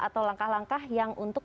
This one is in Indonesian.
atau langkah langkah yang untuk